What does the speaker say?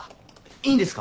いいんですか？